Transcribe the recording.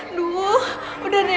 aduh udah nih